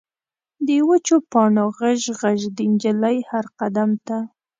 د وچو پاڼو غژ، غژ، د نجلۍ هر قدم ته